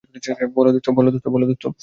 বল, দোস্ত।